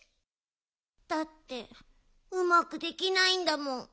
だってうまくできないんだもん。